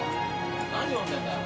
何読んでんだよ？